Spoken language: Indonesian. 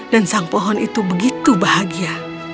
dan sang pohon itu begitu bahagia